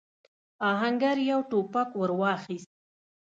آهنګر يو ټوپک ور واخيست.